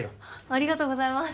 ありがとうございます。